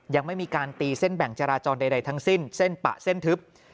ยังไม่มีการตีเส้นแบ่งจราจรใดทั้งสิ้นเส้นปะเส้นทึบ